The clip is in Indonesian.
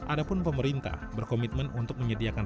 adapun pemerintah berkomitmen untuk menyediakan